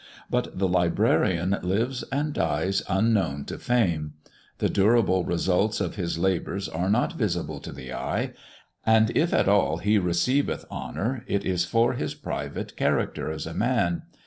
But the Librarian lives and dies unknown to Fame; the durable results of his Labours are not visible to the Eye, and if at aO he receiveth Honour it b for his private Char acter as a Man.